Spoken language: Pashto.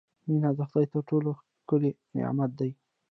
• مینه د خدای تر ټولو ښکلی نعمت دی.